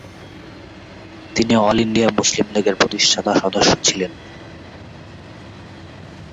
তিনি all India Muslim লীগের প্রতিষ্ঠাতা সদস্য ছিলেন।